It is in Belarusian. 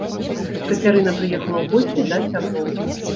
Кацярына прыехала ў госці да сяброў.